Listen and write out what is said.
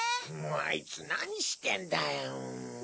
あいつ何してんだよ。